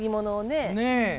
ねえ。